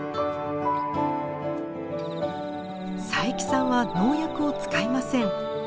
佐伯さんは農薬を使いません。